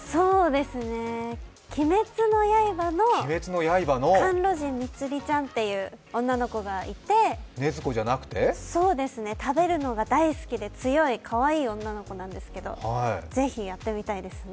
「鬼滅の刃」の甘露寺蜜璃ちゃんっていう女の子がいて食べるのが大好きで強いかわいい女の子なんですけど、ぜひやってみたいですね。